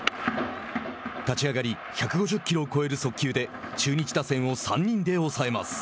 立ち上がり１５０キロを超える速球で中日打線を３人で抑えます。